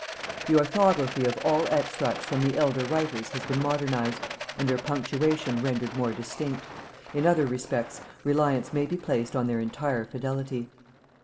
The orthography of all extracts from the elder writers has been modernized, and their punctuation rendered more distinct; in other respects reliance may be placed on their entire fidelity.